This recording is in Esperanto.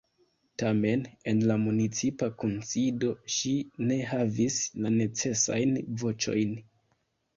Tamen en la municipa kunsido ŝi ne havis la necesajn voĉojn.